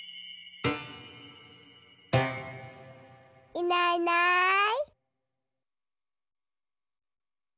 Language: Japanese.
いないいない。